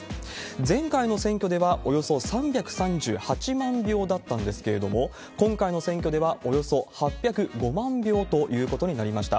前回の選挙ではおよそ３３８万票だったんですけれども、今回の選挙ではおよそ８０５万票ということになりました。